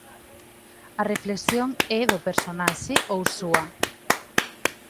A reflexión é do personaxe, ou súa?